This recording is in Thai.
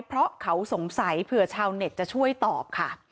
เพราะเขาสงสัยเผื่อชาวเน็ตจะช่วยตอบค่ะ